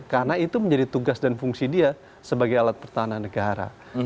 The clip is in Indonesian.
karena itu menjadi tugas dan fungsi dia sebagai alat pertahanan negara